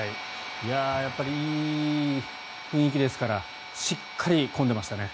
やっぱりいい雰囲気ですからしっかり混んでいましたね。